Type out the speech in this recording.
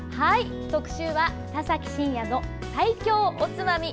特集は「田崎真也の最強おつまみ」。